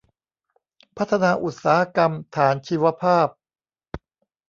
พัฒนาอุตสาหกรรมฐานชีวภาพ